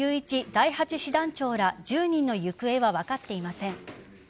第８師団長ら１０人の行方は分かっていません。